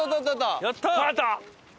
やった！